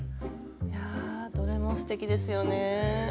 いやどれもすてきですよね！